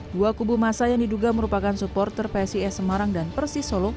dua kubu massa yang diduga merupakan supporter psi es semarang dan persis solo